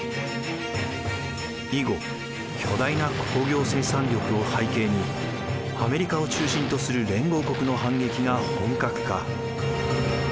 以後巨大な工業生産力を背景にアメリカを中心とする連合国の反撃が本格化。